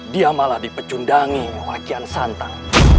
dia malah dipecundangi oleh kian santan